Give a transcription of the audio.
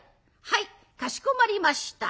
「はいかしこまりました」。